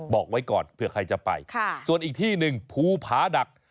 บอกไว้ก่อนเผื่อใครจะไปส่วนอีกที่หนึ่งภูผาดัก